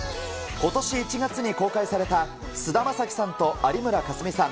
ことし１月に公開された、菅田将暉さんと有村架純さん